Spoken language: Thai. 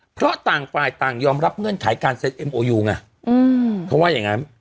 เพราะต่างฝ่ายต่างยอมรับเงื่อนไขการเซ็นเอ็มโอยูไงเขาว่าอย่างนั้น